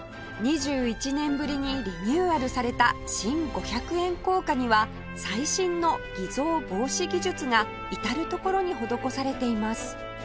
２１年ぶりにリニューアルされた新５００円硬貨には最新の偽造防止技術が至る所に施されています